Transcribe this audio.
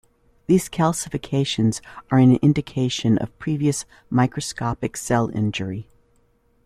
These calcifications are an indication of previous microscopic cell injury.